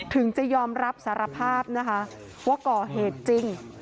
ถึงจะยอมรับสารภาพนะคะว่าก่อเหตุจริง